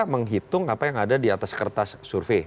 menghitung apa yang ada di atas kertas survei